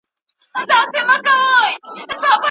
د حاكم له لاسه مېنه سپېره كېږي